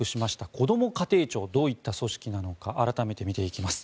こども家庭庁どういった組織なのか改めて見ていきます。